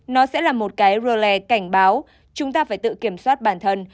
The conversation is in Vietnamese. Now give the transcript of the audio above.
nó sẽ là một cái relles cảnh báo chúng ta phải tự kiểm soát bản thân